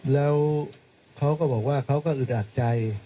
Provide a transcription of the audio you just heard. แล้วเขาก็บอกว่าเขาก็อึดอัดใจ